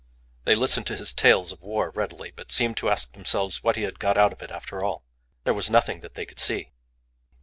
They listened to his tales of war readily, but seemed to ask themselves what he had got out of it after all. There was nothing that they could see.